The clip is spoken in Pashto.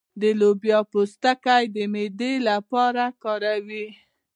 د لوبیا پوستکی د معدې لپاره لرې کړئ